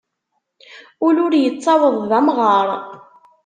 Ul ur yettaweḍ d amɣar.